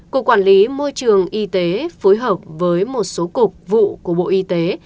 cục quản lý môi trường y tế phối hợp với một số cục vụ của bộ y tế